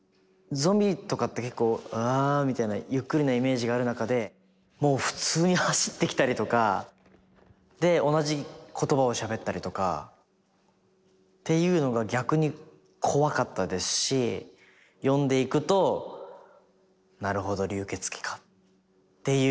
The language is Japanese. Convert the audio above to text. ゾンビとかって結構ああみたいなゆっくりなイメージがある中でもう普通に走ってきたりとか同じ言葉をしゃべったりとかっていうのが逆に怖かったですし読んでいくとなるほど流血鬼かっていう。